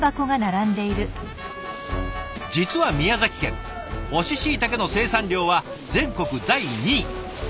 実は宮崎県乾しいたけの生産量は全国第２位。